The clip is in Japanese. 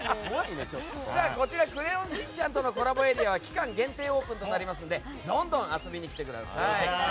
「クレヨンしんちゃん」とのコラボエリアは期間限定オープンとなりますんでどんどん遊びに来てください。